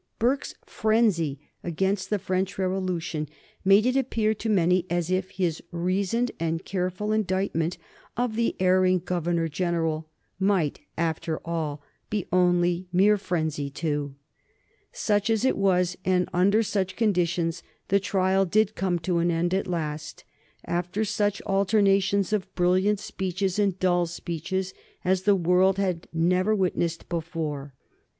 Burke's frenzy against the French Revolution made it appear to many as if his reasoned and careful indictment of the erring Governor General might after all be only mere frenzy too. [Sidenote: 1788 95 Acquittal of Hastings] Such as it was, and under such conditions, the trial did come to an end at last, after such alternations of brilliant speeches and dull speeches as the world had never witnessed before.